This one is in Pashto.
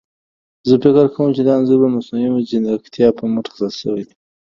زه فکر کوم چي دا انځور ده مصنوعي ځيرکتيا په مټ جوړ شوي دي.